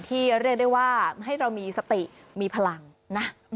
เรียกได้ว่าให้เรามีสติมีพลังนะ